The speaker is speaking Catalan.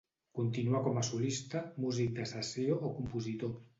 Continua com a solista, músic de sessió i compositor.